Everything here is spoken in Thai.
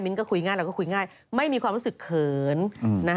ก็คุยง่ายเราก็คุยง่ายไม่มีความรู้สึกเขินนะฮะ